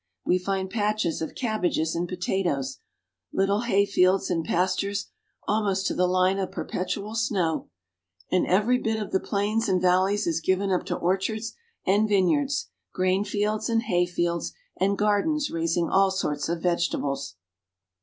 We find patches of cabbages and potatoes, little hay fields and pastures almost to the line of perpetual snow, and every bit of the plains and valleys is given up to orchards and vineyards, grain fields and hay fields, and gardens raising all sorts of vegetables.